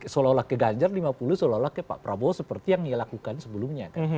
lima puluh seolah olah keganjar lima puluh seolah olah ke pak prabowo seperti yang dilakukan sebelumnya